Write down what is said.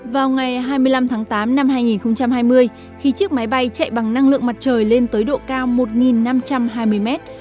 vào ngày hai mươi năm tháng tám năm hai nghìn hai mươi khi chiếc máy bay chạy bằng năng lượng mặt trời lên tới độ cao một năm trăm hai mươi mét